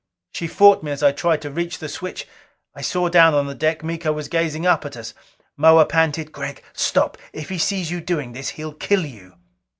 She fought me as I tried to reach the switch. I saw down on the deck. Miko was gazing up at us. Moa panted, "Gregg stop! If he sees you doing this, he'll kill you."